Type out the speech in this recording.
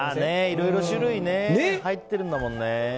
いろいろ種類が入ってるもんね。